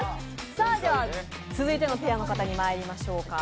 続いては次のペアの方にまいりましょうか。